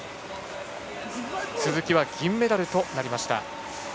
鈴木は銀メダルとなりました。